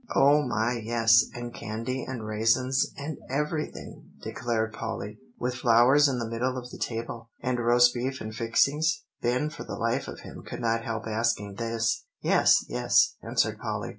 "O my, yes and candy, and raisins, and everything," declared Polly; "with flowers in the middle of the table." "And roast beef and fixings?" Ben for the life of him could not help asking this. "Yes yes," answered Polly.